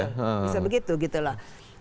bisa begitu gitu loh